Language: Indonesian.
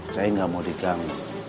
saya gak mau digang